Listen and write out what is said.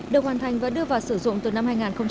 được hoàn thành và đưa vào sử dụng từ năm hai nghìn một mươi